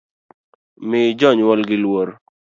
Mi jonywolgi luorr